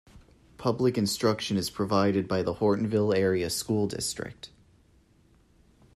Public instruction is provided by the Hortonville Area School District.